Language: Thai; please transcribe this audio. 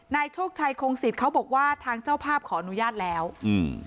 โชคชัยคงสิทธิ์เขาบอกว่าทางเจ้าภาพขออนุญาตแล้วอืม